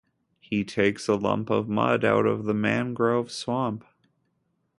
He takes a lump of mud out of the mangrove swamp.